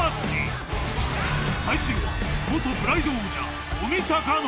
［対するは］